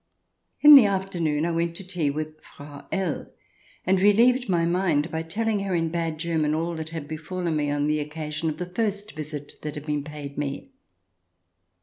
... In the afternoon I went to tea with Frau L , and relieved my mind by telling her in bad German all that had befallen me on the occasion of the first visit that had been paid me.